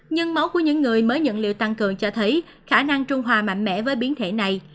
nhưng máu của những người mới nhận liệu tăng cường cho thấy khả năng trung hòa mạnh mẽ với biến thể này